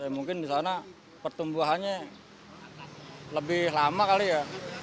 mungkin di sana pertumbuhannya lebih lama kali ya